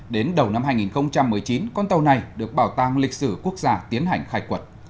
đến đầu năm hai nghìn một mươi chín con tàu này được bảo tàng lịch sử quốc gia tiến hành khai quật